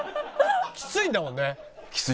きついんだもんね？